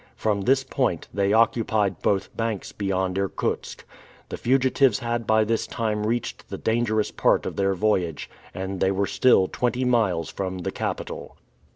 From this point, they occupied both banks beyond Irkutsk. The fugitives had by this time reached the dangerous part of their voyage, and they were still twenty miles from the capital.